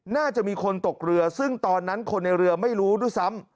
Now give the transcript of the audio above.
น่าจะมีคนตกเรือซึ่งตอนนั้นคนในเรือไม่รู้ด้วยซ้ำ